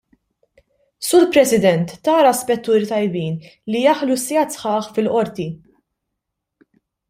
Sur President, tara spetturi tajbin li jaħlu sigħat sħaħ fil-qorti.